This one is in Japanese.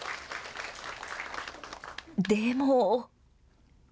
でも。